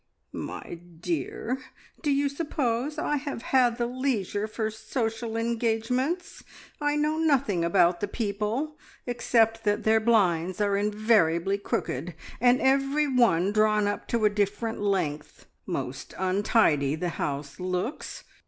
"My dear, do you suppose I have had leisure for social engagements? I know nothing about the people, except that their blinds are invariably crooked, and every one drawn up to a different length. Most untidy the house looks!